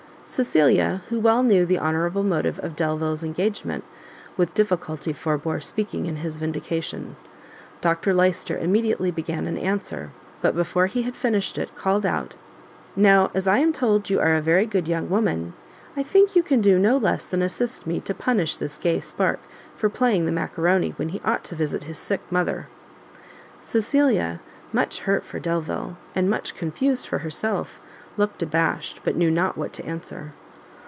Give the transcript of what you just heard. Cecilia who well knew the honourable motive of Delvile's engagement, with difficulty forbore speaking in his vindication. Dr Lyster immediately began an answer, but before he had finished it, called out, "Now as I am told you are a very good young woman, I think you can do no less than assist me to punish this gay spark, for playing the macaroni, when he ought to visit his sick mother." Cecilia, much hurt for Delvile, and much confused for herself, looked abashed, but knew not what to answer.